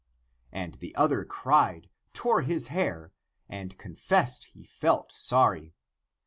" And the other cried, tore his hair, and confessed he felt sorry.